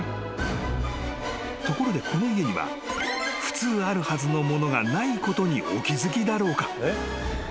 ［ところでこの家には普通あるはずのものがないことにお気付きだろうか？］